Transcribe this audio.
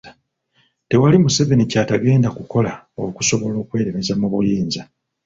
Tewali Museveni kyatagenda kukola okusobola okweremeza mu buyinza.